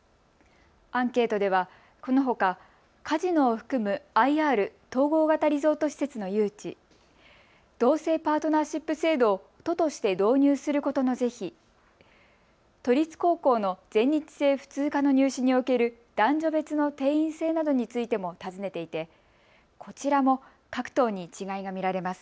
アンケートではこのほかカジノを含むＩＲ・統合型リゾート施設の誘致、同性パートナーシップ制度を都として導入することの是非、都立高校の全日制普通科の入試における男女別の定員制などについても尋ねていてこちらも各党に違いが見られます。